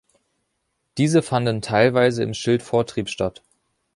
Diese fanden teilweise im Schildvortrieb statt.